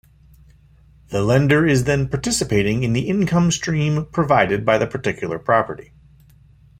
The lender is then participating in the income stream provided by the particular property.